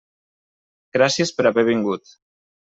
Gràcies per haver vingut.